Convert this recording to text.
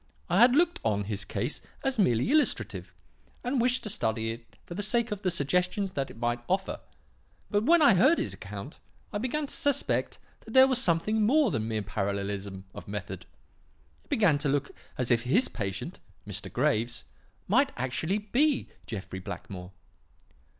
I had looked on his case as merely illustrative, and wished to study it for the sake of the suggestions that it might offer. But when I had heard his account, I began to suspect that there was something more than mere parallelism of method. It began to look as if his patient, Mr. Graves, might actually be Jeffrey Blackmore.